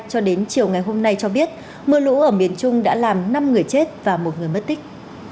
cho đến chiều ngày hôm nay cho biết mưa lũ ở miền trung đã làm năm người chết và một người mất tích